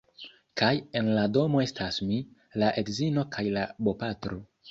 Kaj en la domo estas mi, la edzino kaj la bopatro.